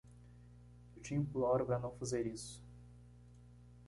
Eu te imploro para não fazer isso.